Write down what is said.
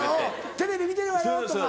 「テレビ見てるわよ」とか。